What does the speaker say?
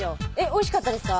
おいしかったですか？